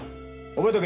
覚えとけ。